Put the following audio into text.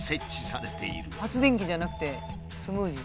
発電機じゃなくてスムージー。